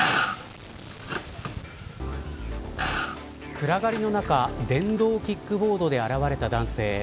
暗がりの中電動キックボードで現れた男性。